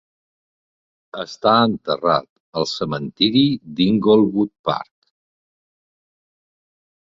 Està enterrat al cementiri d'Inglewood Park.